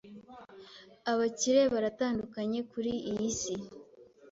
Abakire baratandukanye kuri iyi si.